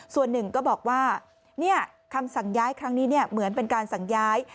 ส่วนหนึ่งก็บอกว่าคำสั่งย้ายครั้งนี้เหมือนเป็นการสั่งย้าย